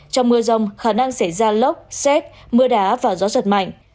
trong mưa rông khả năng xảy ra lốc xét mưa đá và gió giật mạnh